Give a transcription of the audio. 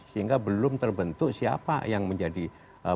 sehingga belum terbentuk siapa yang menjadi bakal calon presiden